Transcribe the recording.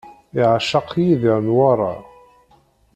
Yeɛceq Yidir Newwara.